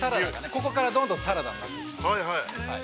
ここからどんどんサラダになっていくんで。